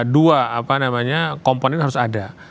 dua apa namanya komponen harus ada